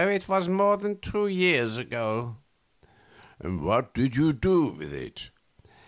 A. More than two years ago. Q. What did you do with it?